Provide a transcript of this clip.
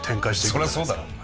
そりゃそうだろお前。